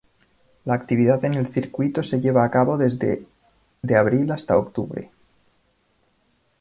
La actividad en el circuito se lleva a cabo desde de abril hasta octubre.